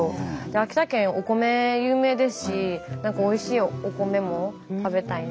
秋田県お米有名ですしなんかおいしいお米も食べたいな。